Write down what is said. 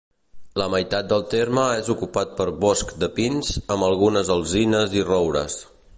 La meitat del terme és ocupat per bosc de pins amb algunes alzines i roures.